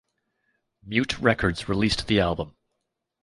Mute Records released the album.